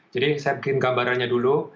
jadi saya bikin gambarannya dulu